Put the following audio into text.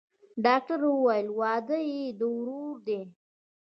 ډاکتر وويل واده يې د ورور دىه.